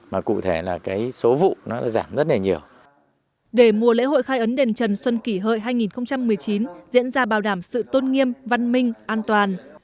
mùa lễ hội khai ấn đền trần xuân kỷ hợi hai nghìn một mươi chín diễn ra bảo đảm sự tôn nghiêm văn minh an toàn